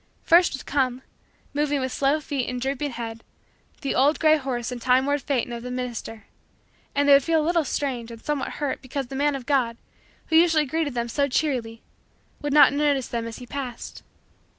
First would come, moving with slow feet and drooping head, the old gray horse and time worn phaeton of the minister; and they would feel a little strange and somewhat hurt because the man of God, who usually greeted them so cheerily, would not notice them as he passed.